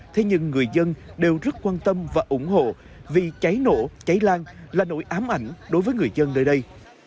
thế nhưng người dân đều rất quan tâm và ủng hộ vì cháy nổ cháy lan là nỗi ám ảnh đối với người dân nơi đây